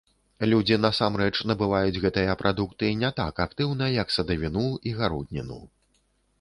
Людзі насамрэч набываюць гэтыя прадукты не так актыўна, як садавіну і гародніну.